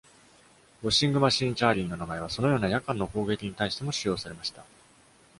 「ウォッシングマシーン・チャーリー」の名前は、そのような夜間の攻撃に対しても使用されました。